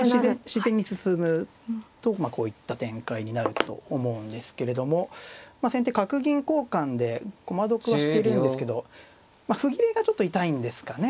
自然に進むとこういった展開になると思うんですけれどもまあ先手角銀交換で駒得はしてるんですけど歩切れがちょっと痛いんですかね。